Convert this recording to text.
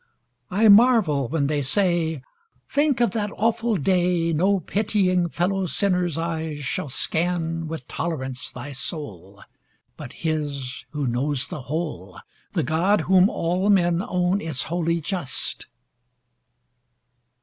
I marvel when they say,"Think of that awful DayNo pitying fellow sinner's eyes shall scanWith tolerance thy soul, But His who knows the whole, The God whom all men own is wholly just."